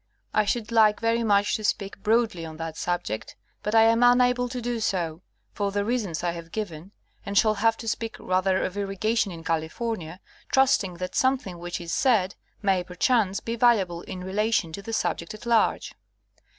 I should like very much to speak broadly on that subject, but I am unable to do so, for the reasons I have given, and shall have to speak rather of irrigation in Cali fornia, trusting that something which is said, may, perchance, be valuable in relation to the subject at large.